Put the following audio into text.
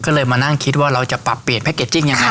ก็เลยมานั่งคิดว่าเราจะปรับเปลี่ยนแพ็กเกจจิ้งยังไง